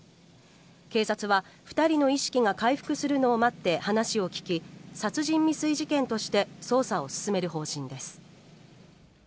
警察は２人の意識が回復するのを待って話を聞き殺人未遂事件として捜査を進める方針です。